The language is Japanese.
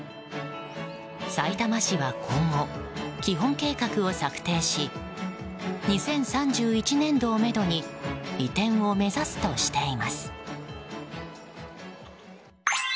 さいたま市は今後基本計画を策定し２０３１年度をめどに移転を目指すとしています。